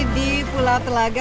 kita masih di pulau telaga